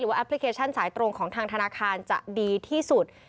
แอปพลิเคชันสายตรงของทางธนาคารจะดีที่สุด